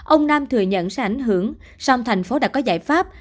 ông nam thừa nhận sẽ ảnh hưởng song thành phố đã có giải pháp